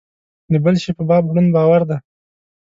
د بل شي په باب ړوند باور دی.